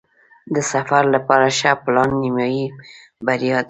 د سفر لپاره ښه پلان نیمایي بریا ده.